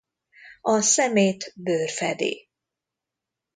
A szemét bőr fedi.